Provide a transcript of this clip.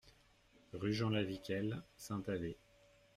Rue Jean Laviquel, Saint-Avé